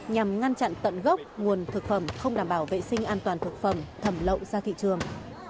nhằm ngăn chặn tận gốc nguồn thực phẩm không đảm bảo vệ sinh an toàn thực phẩm thẩm lậu ra thị trường